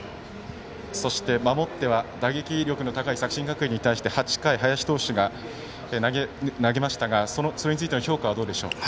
そして、守っては打撃力の高い作新学院に対して８回、林投手が投げましたがそれについての評価はどうでしょうか。